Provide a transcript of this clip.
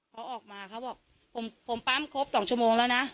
พอออกมาเขาบอกผมผมปั๊มครบสองชั่วโมงแล้วน่ะ